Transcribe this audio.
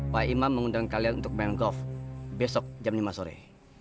pak imam mengundang kalian untuk main golf besok jam lima sore